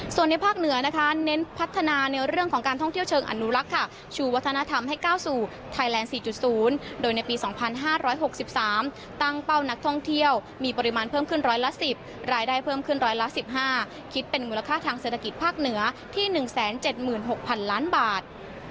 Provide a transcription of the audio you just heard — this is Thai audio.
ส่วนในภาคเหนือนะคะเน้นพัฒนาในเรื่องของการท่องเที่ยวเชิงอนุรักษ์ค่ะชูวัฒนธรรมให้ก้าวสู่ไทยแลนด์๔๐โดยในปี๒๕๖๓ตั้งเป้านักท่องเที่ยวมีปริมาณเพิ่มขึ้นร้อยละ๑๐รายได้เพิ่มขึ้นร้อยละ๑๕คิดเป็นมูลค่าทางเศรษฐกิจภาคเหนือที่๑๗๖๐๐๐ล้านบาท